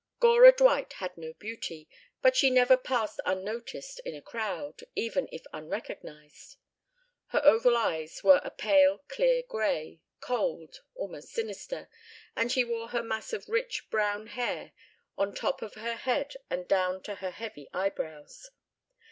Gora Dwight had no beauty, but she never passed unnoticed in a crowd, even if unrecognized. Her oval eyes were a pale clear gray, cold, almost sinister, and she wore her mass of rich brown hair on top of her head and down to her heavy eyebrows.